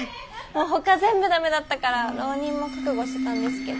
もうほか全部ダメだったから浪人も覚悟してたんですけど。